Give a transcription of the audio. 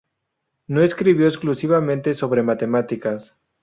No escribió exclusivamente sobre matemáticas.